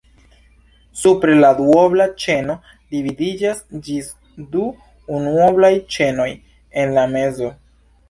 Supre la duobla ĉeno dividiĝas ĝis du unuoblaj ĉenoj en la mezo.